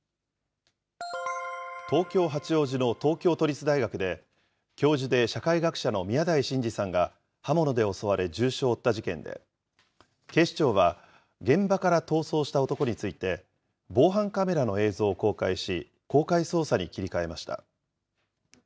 東京・八王子の東京都立大学で、教授で社会学者の宮台真司さんが、刃物で襲われ重傷を負った事件で、警視庁は、現場から逃走した男について、防犯カメラの映像を公開し、公開捜査に切り替えました。